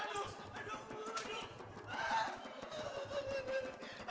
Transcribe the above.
aduh aduh aduh